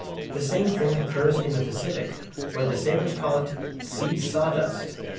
The same thing occurs in the Pacific, where the sailors call it "sea sawdust."